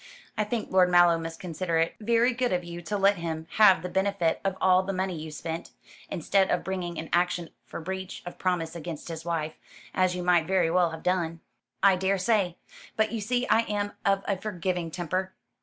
I think Lord Mallow must consider it very good of you to let him have the benefit of all the money you spent, instead of bringing an action for breach of promise against his wife, as you might very well have done." "I daresay. But you see I am of a forgiving temper.